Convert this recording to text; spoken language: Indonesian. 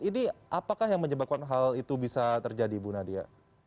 ini apakah yang menyebabkan hal itu bisa terjadi bu nadia